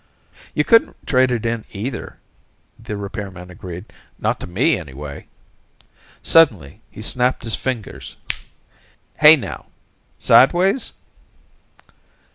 "You couldn't trade it in, either," the repairman agreed. "Not to me, anyway." Suddenly he snapped his fingers. "Hey now. Sideways?"